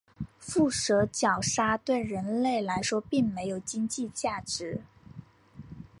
腹蛇角鲨对人类来说并没有经济价值。